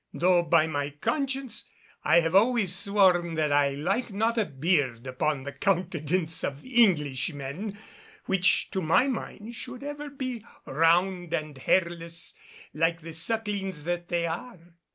Though by my conscience I have always sworn that I like not a beard upon the countenance of Englishmen, which to my mind should ever be round and hairless like the sucklings that they are."